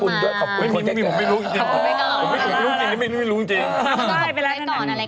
ผมไม่รู้อีกไม่รู้อีก